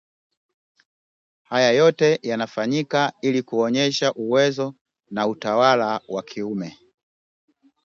Haya yote yanafanyika ili kuonyesha uwezo na utawala wa kiume